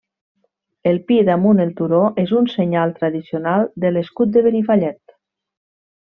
El pi damunt el turó és un senyal tradicional de l'escut de Benifallet.